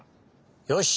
よし！